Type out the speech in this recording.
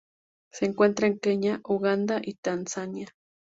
Se encuentra en Kenia, Uganda y Tanzania.